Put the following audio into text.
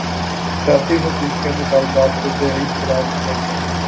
سیاسی حقوق کے مطالبات کوجائز قرار دیا گیا